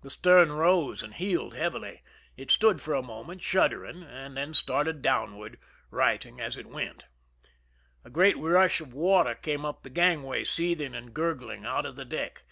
The stern rose and heeled heavily; it stood for a moment, shuddering, then started down ward, righting as it went. A great rush of water came up the gangway, seething and gurgling out of the deck.